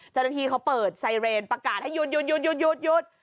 เจ้าหน้าที่เขาเปิดไซเรนประกาศให้หยุดหยุด